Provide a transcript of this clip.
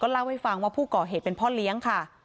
เล่าให้ฟังว่าผู้ก่อเหตุเป็นพ่อเลี้ยงค่ะ